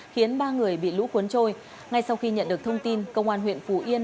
khiến ba người bị lũ cuốn trôi ngay sau khi nhận được thông tin công an huyện phú yên